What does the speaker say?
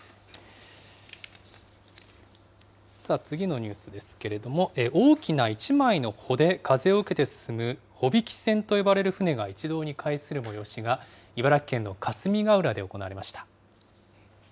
さあ、次のニュースですけれども、大きな一枚の帆で風を受けて進む帆引き船と呼ばれる船が一堂に会する催しが茨城県の霞ヶ浦で行われました。